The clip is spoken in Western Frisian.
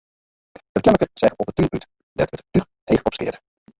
It keammerke seach op 'e tún út, dêr't it túch heech opskeat.